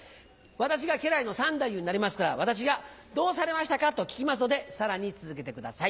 私が家来の三太夫になりますから私が「どうされましたか？」と聞きますのでさらに続けてください。